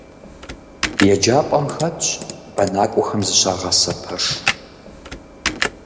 ЕджапӀэм хэтщ бэнакӀуэхэм зыщагъасэ пэш.